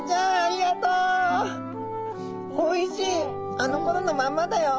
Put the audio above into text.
あのころのまんまだよ。